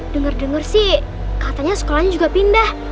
dengar dengar sih katanya sekolahnya juga pindah